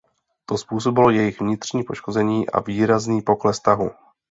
To způsobilo jejich vnitřní poškození a výrazný pokles tahu.